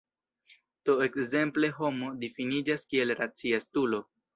Do ekzemple "homo" difiniĝas kiel "racia estulo".